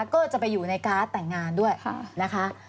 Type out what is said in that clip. ก็จะไปอยู่ในการ์ดแต่งงานด้วยนะคะ